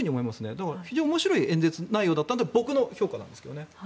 だから、非常に面白い演説内容だったというのが僕の評価ですね。